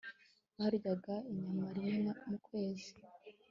baryaga inyama rimwe mu kwezi